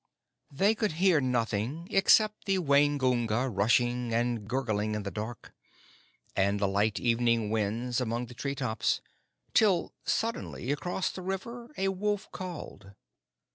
They could hear nothing except the Waingunga rushing and gurgling in the dark, and the light evening winds among the tree tops, till suddenly across the river a wolf called.